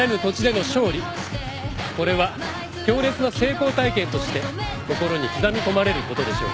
これは強烈な成功体験として心に刻み込まれることでしょう。